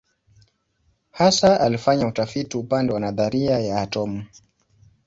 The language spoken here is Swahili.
Hasa alifanya utafiti upande wa nadharia ya atomu.